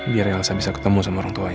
biar elsa bisa ketemu sama orang tua dive